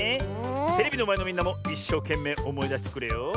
テレビのまえのみんなもいっしょうけんめいおもいだしてくれよ。